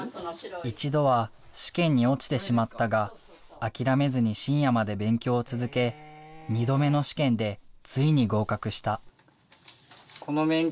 一度は試験に落ちてしまったが諦めずに深夜まで勉強を続け２度目の試験でついに合格した。